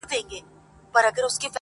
o چور دئ که حساب؟